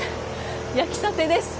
焼きたてです。